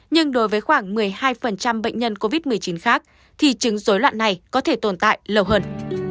nhưng đối với khoảng một mươi hai bệnh nhân covid một mươi chín khác thì chứng dối loạn này có thể tồn tại lâu hơn